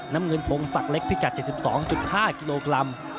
น้ำเงินพงศักดิ์เล็กพิกัด๗๒๕กิโลกรัม